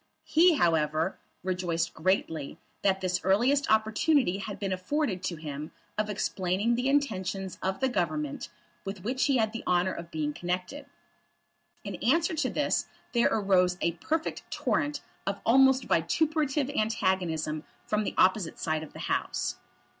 He, however, rejoiced greatly that this earliest opportunity had been afforded to him of explaining the intentions of the Government with which he had the honour of being connected. In answer to this there arose a perfect torrent of almost vituperative antagonism from the opposite side of the House.